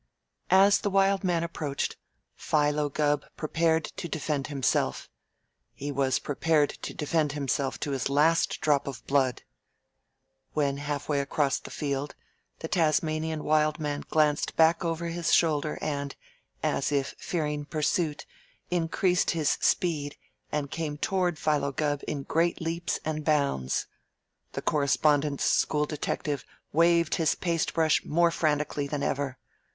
As the Wild Man approached, Philo Gubb prepared to defend himself. He was prepared to defend himself to his last drop of blood. When halfway across the field, the Tasmanian Wild Man glanced back over his shoulder and, as if fearing pursuit, increased his speed and came toward Philo Gubb in great leaps and bounds. The Correspondence School detective waved his paste brush more frantically than ever.